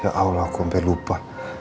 ya allah aku sampai lupa